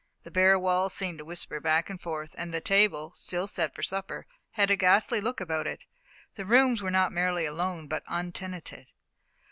The bare walls seemed to whisper back and forth, and the table, still set for supper, had a ghastly look about it. The rooms were not merely alone, but untenanted.